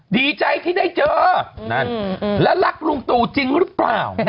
ดีใจที่ได้เจอนั่นและรักลุงตู่จริงหรือเปล่า